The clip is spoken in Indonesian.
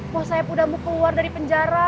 bos saeb udah mau keluar dari penjara